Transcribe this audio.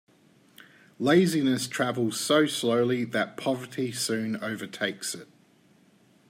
Laziness travels so slowly that poverty soon overtakes it.